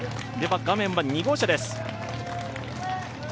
画面は２号車です。